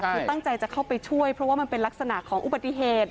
คือตั้งใจจะเข้าไปช่วยเพราะว่ามันเป็นลักษณะของอุบัติเหตุ